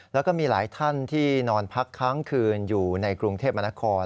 แล้วก็มีหลายท่านที่นอนพักค้างคืนอยู่ในกรุงเทพมนาคม